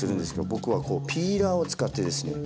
僕はこうピーラーを使ってですね